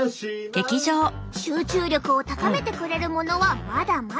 集中力を高めてくれるものはまだまだ。